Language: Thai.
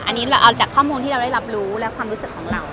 อันนี้เราเอาจากข้อมูลที่เราได้รับรู้และความรู้สึกของเรา